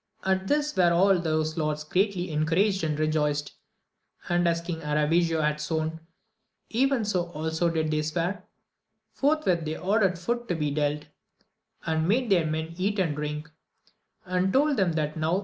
At this were all those lords greatly encouraged and rejoiced ; and as King Aravigo had sworn even so also did they swear : forthwith they ordered food to be dealt, and made their men eat and drink, and told them that now 15—2 ■228 AMADIS OF GAUL.